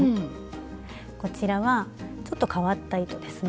こちらはちょっと変わった糸ですね。